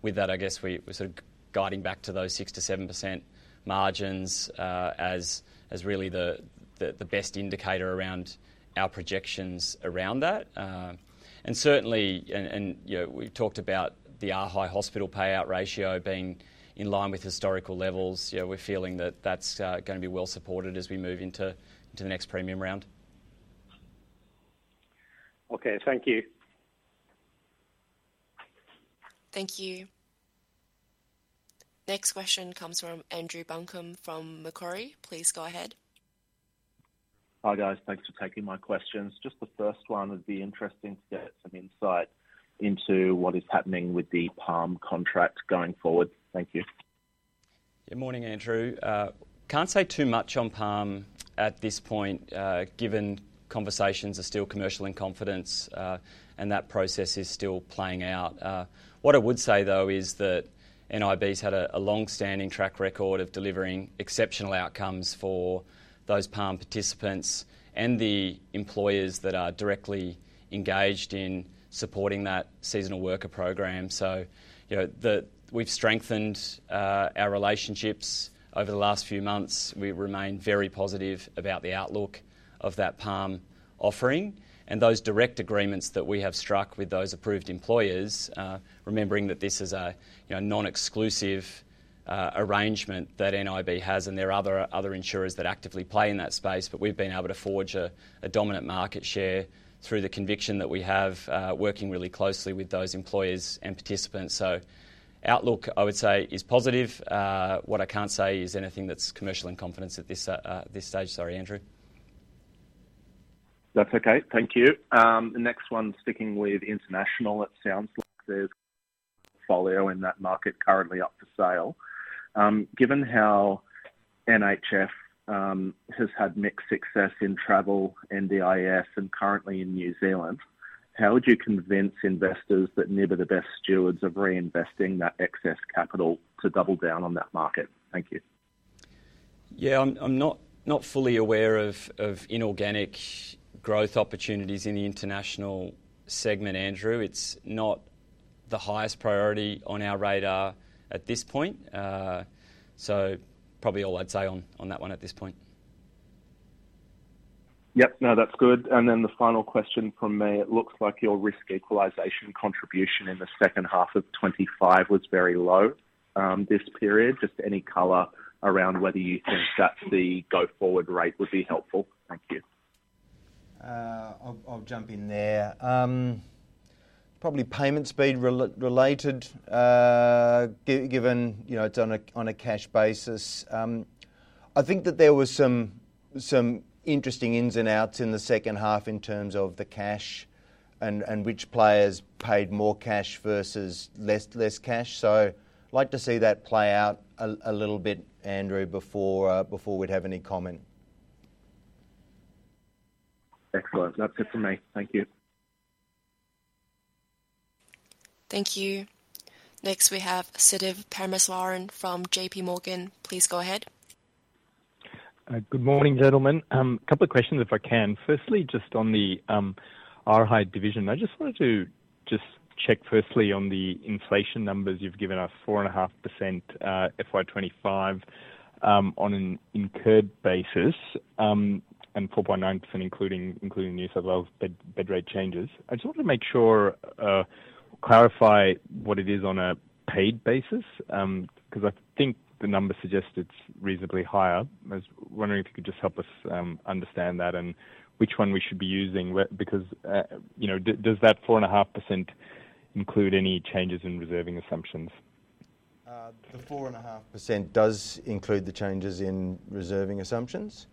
With that, I guess we're sort of guiding back to those 6%-7% margins as really the best indicator around our projections around that. We talked about the ARHI hospital payout ratio being in line with historical levels. We're feeling that that's going to be well supported as we move into the next premium round. Okay, thank you. Thank you. Next question comes from Andrew Buncombe from Macquarie. Please go ahead. Hi guys. Thanks for taking my questions. The first one would be interesting to get some insight into what is happening with the Palm contract going forward. Thank you. Good morning Andrew. Can't say too much on Palm at this point given conversations are still commercial in confidence and that process is still playing out. What I would say though is that Nib has had a long standing track record of delivering exceptional outcomes for those Palm participants and the employers that are directly engaged in supporting that seasonal worker program. We've strengthened our relationships over the last few months. We remain very positive about the outlook of that Palm offering and those direct agreements that we have struck with those approved employers. Remembering that this is a non-exclusive arrangement that Nib has and there are other insurers that actively play in that space. We've been able to forge a dominant market share through the conviction that we have working really closely with those employers and participants. Outlook I would say is positive. What I can't say is anything that's commercial in confidence at this stage. Sorry Andrew. That's okay. Thank you. The next one, sticking with international, it sounds like there's Folio in that market currently up for sale. Given how Nib holdings has had mixed success in travel insurance, NDIS plan management, and currently in New Zealand, how would you convince investors that Nib are the best stewards of reinvesting that excess capital to double down on that market? Thank you. I'm not fully aware of inorganic growth opportunities in the international segment, Andrew. It's not the highest priority on our radar at this point. Probably all I'd say on that one at this point. That's good. The final question from me, it looks like your risk equalisation contribution in second half 2025 was very low this period. Any color around whether you think that the go-forward rate would be helpful? Thank you. I'll jump in there. Probably payment speed related given, you know, it's on a cash basis. I think that there were some interesting ins and outs in the second half in terms of the cash and which players paid more cash versus less cash. Like to see that play out a little bit, Andrew, before we'd have any comment. Excellent. That's it for me. Thank you. Thank you. Next we have Siddharth Parameswaran from JPMorgan. Please go ahead. Good morning gentlemen. A couple of questions if I can. Firstly, just on the ARHI division, I just wanted to check firstly on the inflation numbers. You've given us 4.5% FY 2025 on an incurred basis and 4.9% including New South Wales bed rate changes. I just want to make sure, clarify what it is on a paid basis because I think the number suggests it's reasonably higher. I was wondering if you could just help us understand that and which one we should be using because, you know, does that 4.5% include any changes in reserving assumptions? The 4.5% does include the changes in reserving assumptions,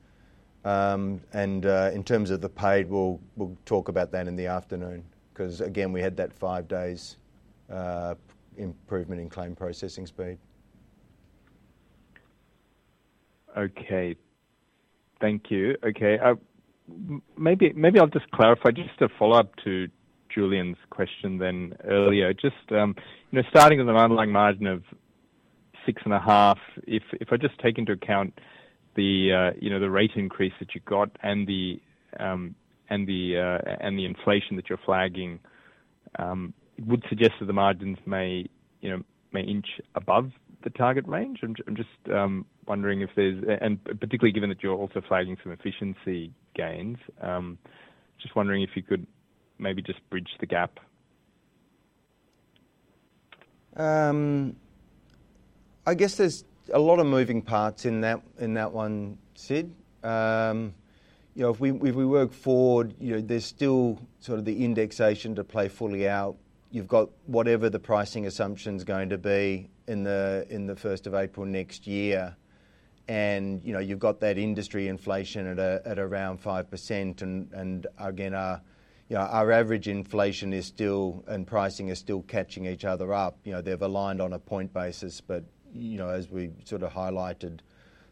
and in terms of the paid, we'll talk about that in the afternoon because again we had that five days improvement in claim processing speed. Okay, thank you. Maybe I'll just clarify, just a follow-up to Julian's question earlier. Just starting with an underlying margin of 6.5%. If I just take into account the rate increase that you got and the inflation that you're flagging, it would suggest that the margins may inch above the target range. I'm just wondering if there's, particularly given that you're also flagging some efficiency gains, if you could maybe just bridge the gap. I guess there's a lot of moving parts in that one, Sid. If we work forward, there's still the indexation to play fully out. You've got whatever the pricing assumption's going to be on the 1st of April next year, and you've got that industry inflation at around 5%. Again, our average inflation and pricing is still catching each other up. They've aligned on a point basis, but as we sort of highlighted,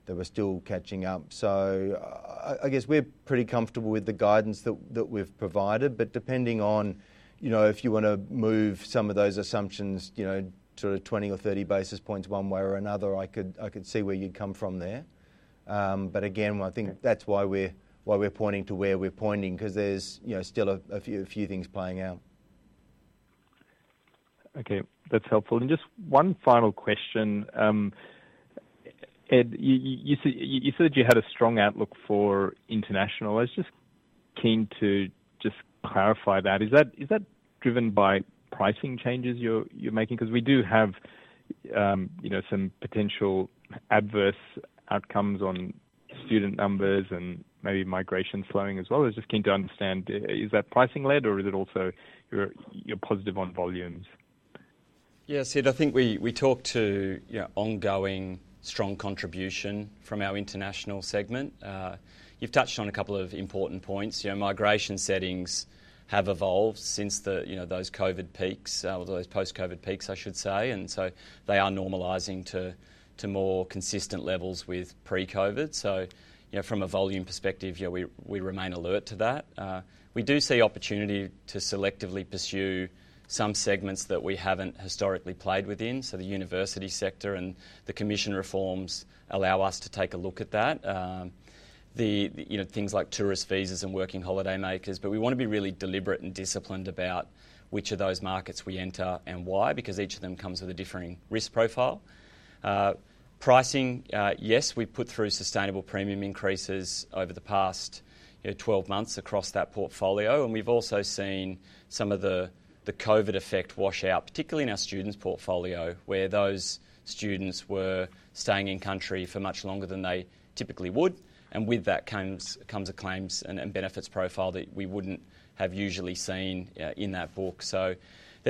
we're still catching up. I guess we're pretty comfortable with the guidance that we've provided. Depending on if you want to move some of those assumptions, sort of 20 or 30 basis points one way or another, I could see where you'd come from there. I think that's why we're pointing to where we're pointing, because there's still a few things playing out. Okay, that's helpful. Just one final question. Ed you said you had a strong outlook for International. I was just keen to clarify that. Is that driven by pricing changes you're making? Because we do have some potential adverse outcomes on student numbers and maybe migration slowing as well. I was just keen to understand, is that pricing-led or is it also you're positive on volumes? Yeah, Sid, I think we talk to ongoing, strong contribution from our international segment. You've touched on a couple of important points. Migration settings have evolved since those COVID peaks, those post-COVID peaks, I should say, and they are normalizing to more consistent levels with pre-COVID. From a volume perspective, we remain alert to that. We do see opportunity to selectively pursue some segments that we haven't historically played within, like the university sector, and the commission reforms allow us to take a look at that. Things like tourist visas and working holiday makers. We want to be really deliberate and disciplined about which of those markets we enter and why, because each of them comes with a differing risk profile. Pricing, yes, we've put through sustainable premium increases over the past 12 months across that portfolio. We've also seen some of the COVID effect wash out, particularly in our students portfolio, where those students were staying in country for much longer than they typically would, and with that comes a claims and benefits profile that we wouldn't have usually seen in that book. There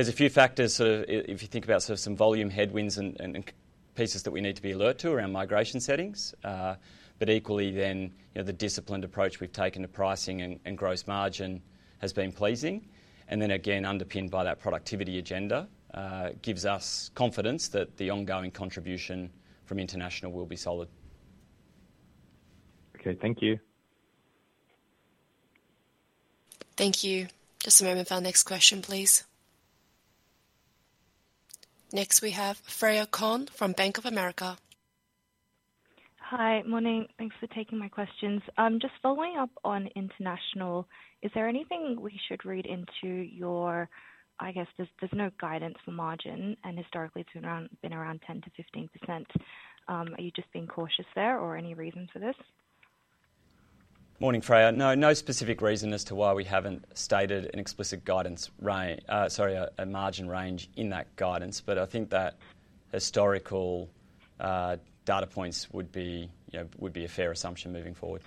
are a few factors, if you think about some volume headwinds and pieces that we need to be alert to around migration settings. Equally, the disciplined approach we've taken to pricing and gross margin has been pleasing, and then again underpinned by that productivity agenda gives us confidence that the ongoing contribution from International will be solid. Okay, thank you. Thank you. Just a moment for our next question, please. Next we have Freya Kong from Bank of America. Hi. Morning. Thanks for taking my questions. Just following up on International, is there anything we should read into your, I guess there's no guidance margin and historically it's been around 10%-15%. Are you just being cautious there or any reason for this? Morning, Freya. No, no specific reason as to why we haven't stated an explicit margin range in that guidance. I think that historical data points would be a fair assumption moving forward.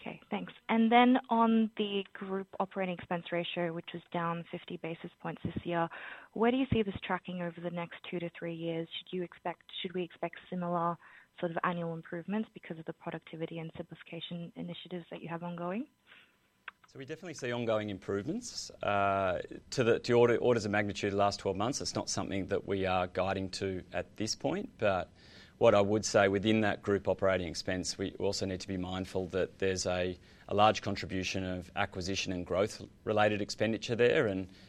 Okay, thanks. On the group operating expense ratio, which was down 50 basis points this year, where do you see this tracking over the next two to three years? Should we expect similar sort of annual improvements because of the productivity and simplification initiatives that you have ongoing? We definitely see ongoing improvements to orders of magnitude last 12 months. It's not something that we are guiding to at this point, but what I would say within that group operating expense, we also need to be mindful that there's a large contribution of acquisition and growth related expenditure there.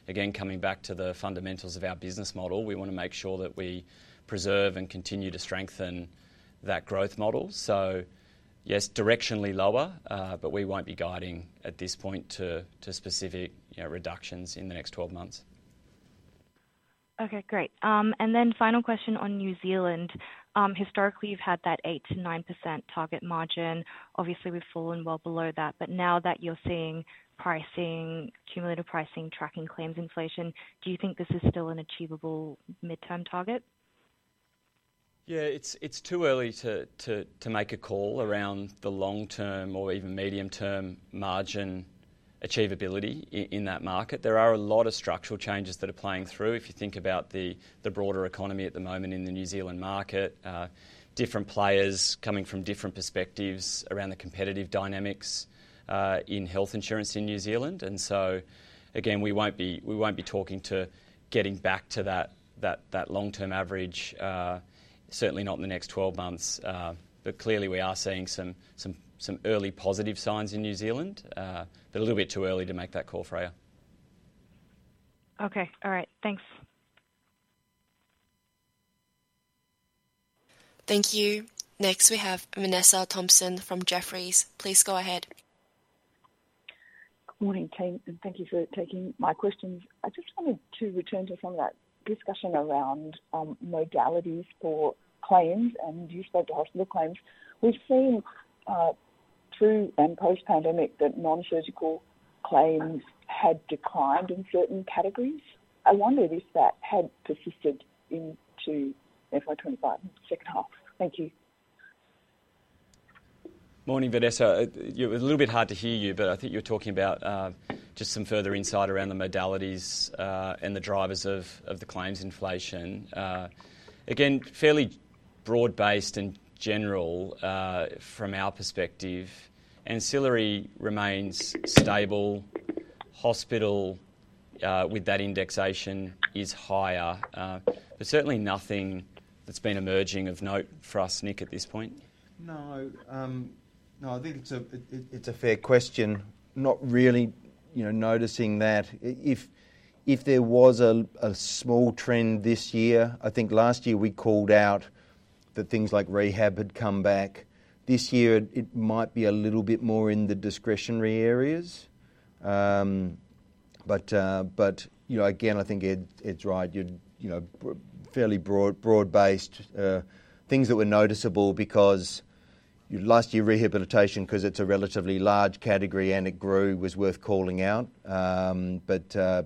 Again, coming back to the fundamentals of our business model, we want to make sure that we preserve and continue to strengthen that growth model. Yes, directionally lower, but we won't be guiding at this point to specific reductions in the next 12 months. Okay, great. Final question on New Zealand. Historically you've had that 8%-9% target margin. Obviously we've fallen well below that. Now that you're seeing pricing, cumulative pricing, tracking claims inflation, do you think this is still an achievable midterm target? Yeah, it's too early to make a call around the long term or even medium term margin achievability in that market. There are a lot of structural changes that are playing through if you think about the broader economy at the moment in the New Zealand market. Different players coming from different perspectives around the competitive dynamics in health insurance in New Zealand. We won't be talking to getting back to that long term average, certainly not in the next 12 months. Clearly we are seeing some early positive signs in New Zealand, but a little bit too early to make that call. Freya. Okay, all right, thanks. Thank you. Next we have Vanessa Thomson from Jefferies. Please go ahead. Good morning, Kate, and thank you for taking my questions. I just wanted to return to some of that discussion around modalities for claims. You spoke to hospital claims. We've seen through and post-pandemic that non-surgical claims had declined in certain categories. I wondered if that had persisted into FY 2025, second half. Thank you. Morning, Vanessa. It was a little bit hard to hear you, but I think you're talking about just some further insight around the modalities and the drivers of the claims inflation. Again, fairly broad based and general from our perspective. Ancillary remains stable. Hospital with that indexation is higher, but certainly nothing that's been emerging of note for us. Nick, at this point. No, I think it's a fair question. Not really noticing that if there was a small trend this year, I think last year we called out that things like rehab had come back. This year it might be a little bit more in the discretionary areas. Again, I think Ed's right, you're fairly broad based. Things that were noticeable because last year, rehabilitation, because it's a relatively large category and it grew, was worth calling out. In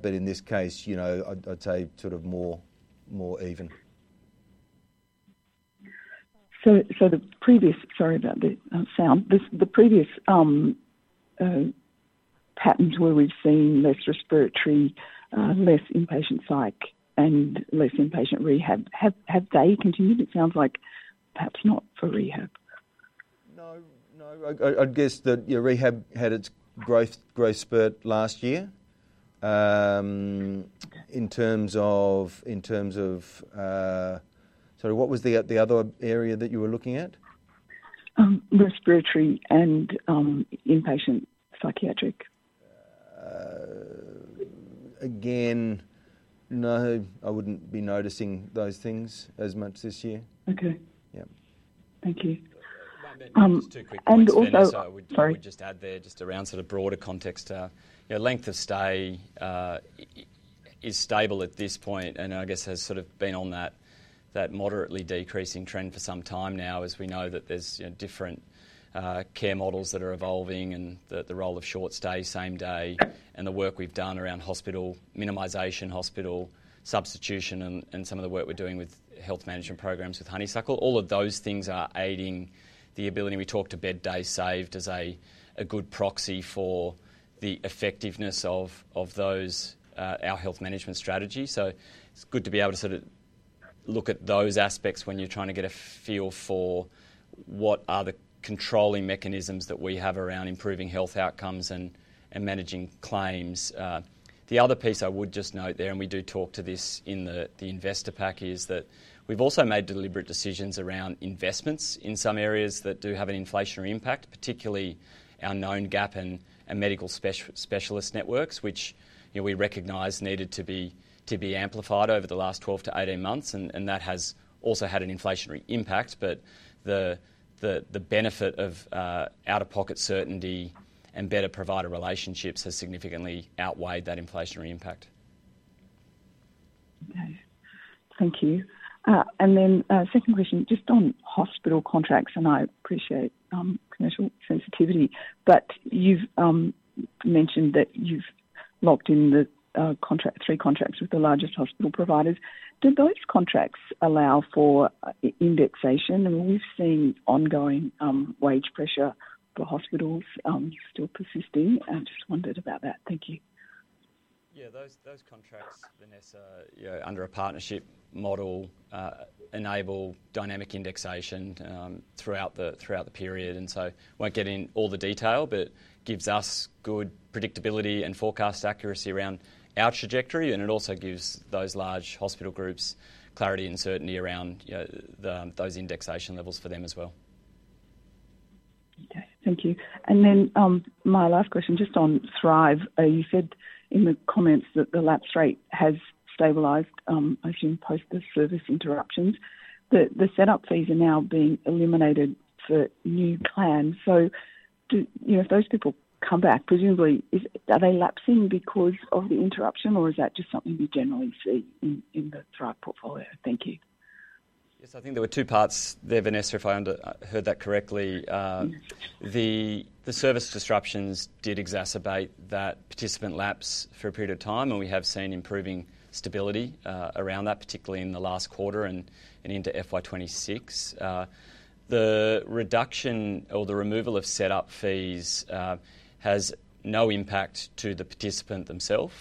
this case, I'd say sort of more even. The previous patterns where we've seen less respiratory, less inpatient psych, and less inpatient rehab, have they continued? It sounds like perhaps not for rehab. No, no. I'd guess that your rehab had its growth spurt last year. Sorry, what was the other area that you were looking at? Respiratory and inpatient psychiatric. No, I wouldn't be noticing those things as much this year. Okay, yeah, thank you. Just two quick points I would just add there just around sort of broader context. Length of stay is stable at this point, and I guess has sort of been on that moderately decreasing trend for some time now. As we know, there's different care models that are evolving and the role of short stay, same day, and the work we've done around hospital minimization, hospital substitution, and some of the work we're doing with health management programs with Honeysuckle Health, all of those things are aiding the ability we talk to bed days saved as a good proxy for the effectiveness of our health management strategy. It's good to be able to sort of look at those aspects when you're trying to get a feel for what are the controlling mechanisms that we have around improving health outcomes and managing claims. The other piece I would just note there, and we do talk to this in the investor pack, is that we've also made deliberate decisions around investments in some areas that do have an inflationary impact, particularly our known gap and medical specialist networks, which we recognize needed to be amplified over the last 12 to 18 months. That has also had an inflationary impact. The benefit of out-of-pocket certainty and better provider relationships has significantly outweighed that inflationary impact. Thank you. My second question is just on hospital contracts. I appreciate commercial sensitivity, but you've mentioned that you've locked in the three contracts with the largest hospital providers. Do those contracts allow for indexation? We've seen ongoing wage pressure for hospitals still persisting and just wondered about that. Thank you. Those contracts, Vanessa, you know, under a partnership model, enable dynamic indexation throughout the period and so won't get in all the detail, but gives us good predictability and forecast accuracy around our trajectory. It also gives those large hospital groups clarity and certainty around those indexation levels for them as well. Thank you. My last question is just on Thrive. You said in the comments that the lapse rate has stabilized. I assume post the service interruptions, the setup fees are now being eliminated for new plans. If those people come back, presumably, are they lapsing because of the interruption or is that just something you generally see in the Thrive portfolio? Thank you. Yes, I think there were two parts there, Vanessa, if I heard that correctly. The service disruptions did exacerbate that participant lapse for a period of time, and we have seen improving stability around that, particularly in the last quarter and into FY 2026. The reduction or the removal of setup fees has no impact to the participant themselves.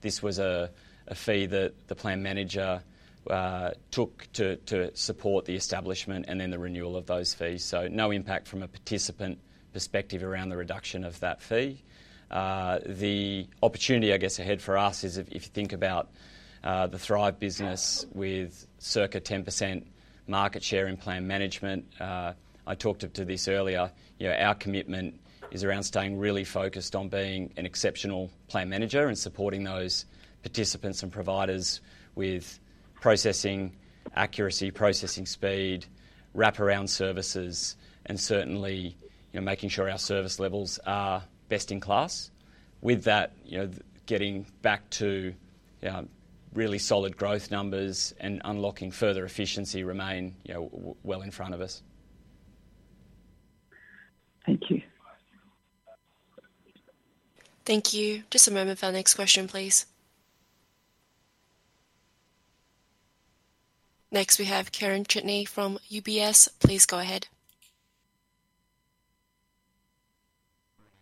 This was a fee that the plan manager took to support the establishment and then the renewal of those fees. No impact from a participant perspective around the reduction of that fee. The opportunity, I guess, ahead for us is if you think about the Thrive business with circa 10% market share in plan management. I talked to this earlier. Our commitment is around staying really focused on being an exceptional plan manager and supporting those participants and providers with processing accuracy, processing speed, wraparound services, and certainly making sure our service levels are best in class. With that, getting back to really solid growth numbers and unlocking further efficiency remain well in front of us. Thank you. Thank you. Just a moment for our next question, please. Next we have Kieren Chidgey from UBS. Please go ahead.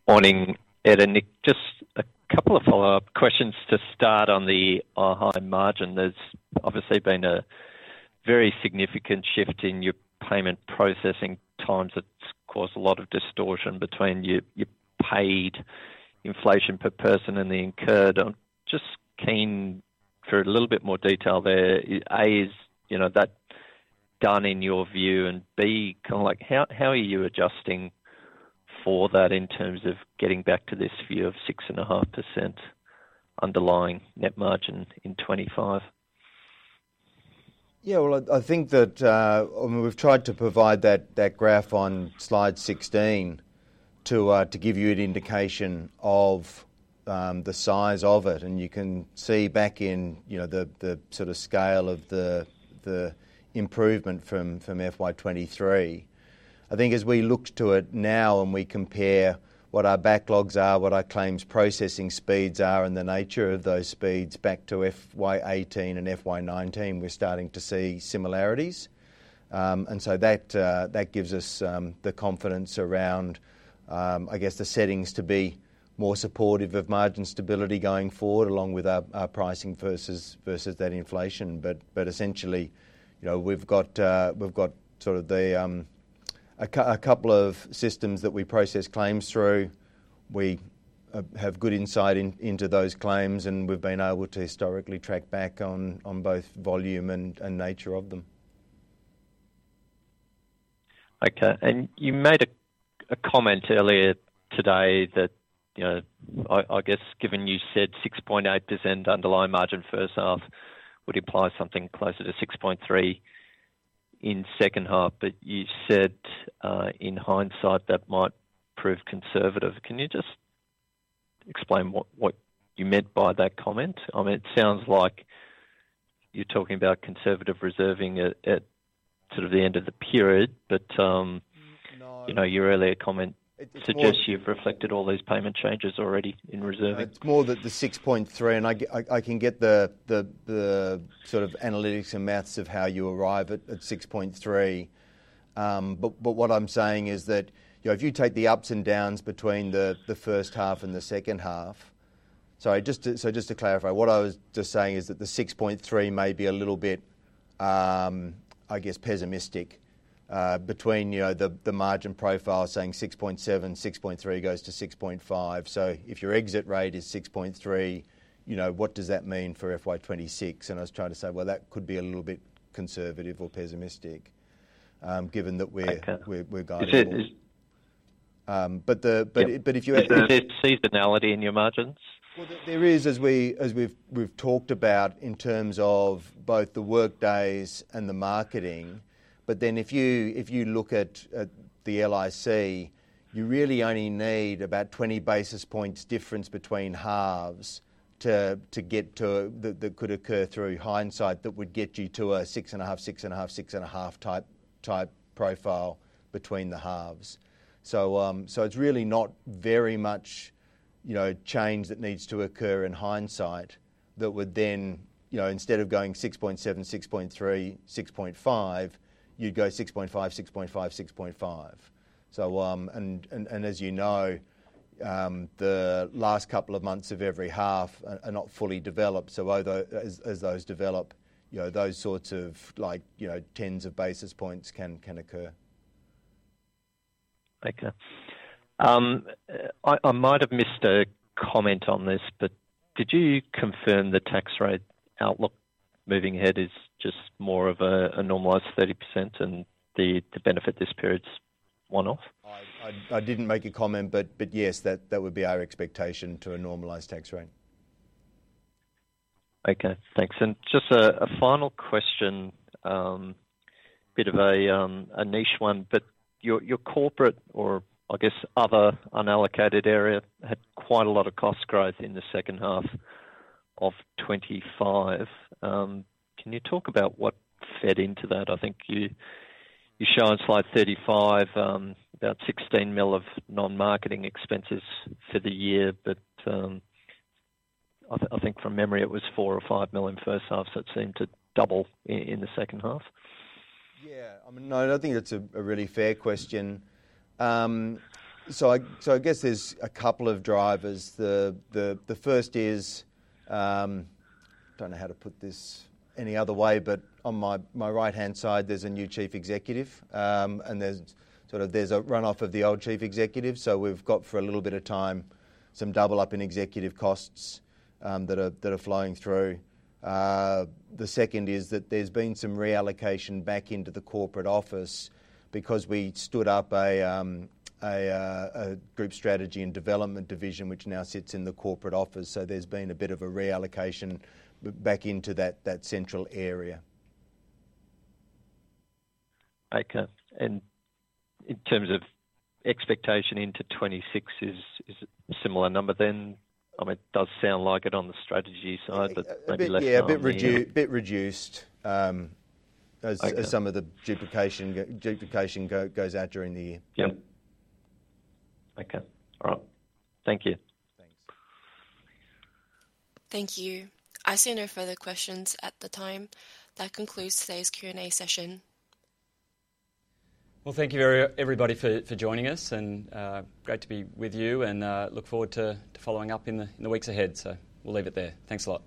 Morning, Ed and Nick. Just a couple of follow up questions to start on the OHI margin. There's obviously been a very significant shift in your payment processing times that's caused a lot of distortion between your paid inflation per person and the incurred. I'm just keen for a little bit more detail there. A, is that done in your view and B, kind of like how are you adjusting for that in terms of getting back to this view of 6.5% underlying net margin in 2025? Yeah, I think that we've tried to provide that graph on Slide 16 to give you an indication of the size of it, and you can see back in the sort of scale of the improvement from FY 2023. I think as we look to it now and we compare what our backlogs are, what our claims processing speeds are, and the nature of those speeds back to FY 2018 and FY 2019, we're starting to see similarities. That gives us the confidence around, I guess, the settings to be more supportive of margin stability going forward, along with our pricing versus that inflation. Essentially, we've got a couple of systems that we process claims through. We have good insight into those claims, and we've been able to historically track back on both volume and nature of them. Okay, and you made a comment earlier today that, you know, I guess given you said 6.8% underlying margin first half would imply something closer to 6.3% in second half. You said in hindsight that might prove conservative. Can you just explain what you meant by that comment? I mean, it sounds like you're talking about conservative reserving at sort of the end of the period. Your earlier comment suggests you've reflected all these payment changes already in reserving. It's more that the 6.3%. I can get the sort of analytics and maths of how you arrive at 6.3%. What I'm saying is that if you take the ups and downs between the first half and the second half, just to clarify, what I was just saying is that the 6.3% may be a little bit, I guess, pessimistic between the margin profile saying 6.7%, 6.3% goes to 6.5%. If your exit rate is 6.3%, what does that mean for FY 2026? I was trying to say that could be a little bit conservative or pessimistic given that we're guiding. If you had the. Is there seasonality in your margins? There is, as we've talked about, in terms of both the work days and the marketing. If you look at the LIC, you really only need about 20 basis points difference between halves to get to that. That could occur through hindsight. That would get you to a 6.5%, 6.5%, 6.5% type profile between the halves. It's really not very much change that needs to occur in hindsight that would then, instead of going 6.7%, 6.3%, 6.5%, you'd go 6.5%, 6.5%, 6.5%. As you know, the last couple of months of every half are not fully developed. As those develop, those sorts of, like, tens of basis points can occur. Okay, I might have missed a comment on this, but did you confirm the tax rate outlook moving ahead is just more of a normalized 30% and the benefit this period's one off? I didn't make a comment. Yes, that would be our expectation to a normalised tax rate. Okay, thanks. Just a final question. Bit of a niche one, but your corporate or I guess other unallocated area had quite a lot of cost growth in second half of 2025. Can you talk about what fed into that? I think you show on slide 35 about $16 million of non-marketing expenses for the year. I think from memory it was $4 million or $5 million first half. It seemed to double in the second half. Yeah, I mean, no, I think that's a really fair question. I guess there's a couple of drivers. The first is, I don't know how to put this any other way, but on my right hand side there's a new Chief Executive and there's sort of a runoff of the old Chief Executive. We've got for a little bit of time some double up in executive costs that are flowing through. The second is that there's been some reallocation back into the corporate office because we stood up a Group Strategy and Development division which now sits in the corporate office. There's been a bit of a reallocation back into that central area. Okay. In terms of expectation into 2026, is a similar number then? It does sound like it on the strategy side, but yeah. Bit reduced as some of the duplication goes out during the year. Okay. All right, thank you. Thanks. Thank you. I see no further questions at this time. That concludes today's Q&A session. Thank you everybody for joining us. Great to be with you and look forward to following up in the weeks ahead. We'll leave it there. Thanks a lot.